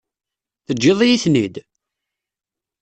Teǧǧiḍ-iyi-ten-id?